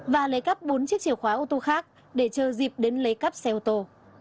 và lấy cắp bốn chiếc chìa khóa ô tô khác để chờ dịp đến lấy cắp xe ô tô